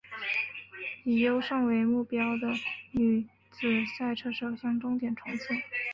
以优胜为目标的女子赛车手向着终点冲刺！